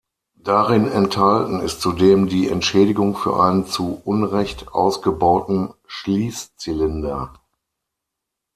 Darin enthalten ist zudem die Entschädigung für einen zu Unrecht ausgebauten Schließzylinder.